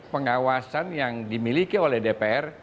pengawasan yang dimiliki oleh dpr